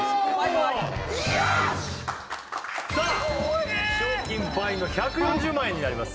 怖えさあ賞金倍の１４０万円になります